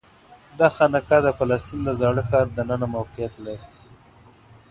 دا خانقاه د فلسطین د زاړه ښار دننه موقعیت لري.